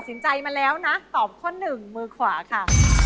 สินใจมาแล้วนะตอบข้อหนึ่งมือขวาค่ะ